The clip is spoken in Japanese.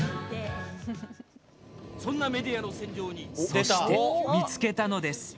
そして、見つけたのです。